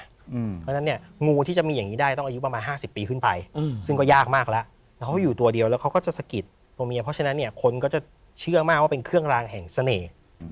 เพราะฉะนั้นเนี่ยงูที่จะมีอย่างนี้ได้ต้องอายุประมาณ๕๐ปีขึ้นไปซึ่งก็ยากมากแล้วแล้วเขาอยู่ตัวเดียวแล้วเขาก็จะสะกิดตัวเมียเพราะฉะนั้นเนี่ยคนก็จะเชื่อมากว่าเป็นเครื่องรางแห่งเสน่ห์